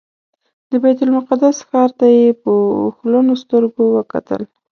د بیت المقدس ښار ته یې په اوښلنو سترګو وکتل.